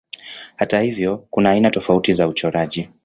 Hata hivyo kuna aina tofauti za uchoraji.